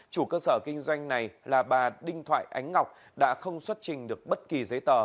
chủ cơ sở kinh doanh này là bà đinh thoại ánh ngọc đã không xuất trình được bất kỳ giấy tờ